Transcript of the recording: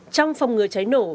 trong phòng ngừa cháy nổ